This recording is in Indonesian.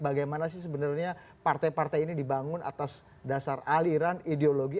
bagaimana sih sebenarnya partai partai ini dibangun atas dasar aliran ideologi